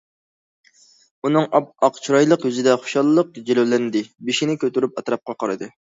ئۇنىڭ ئاپئاق، چىرايلىق يۈزىدە خۇشاللىق جىلۋىلەندى، بېشىنى كۆتۈرۈپ ئەتراپقا قارىدى.